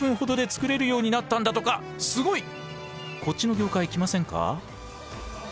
こっちの業界来ませんか？